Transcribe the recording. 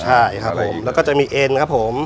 ใช่ครับผมแล้วก็จะมีเอ็นครับผม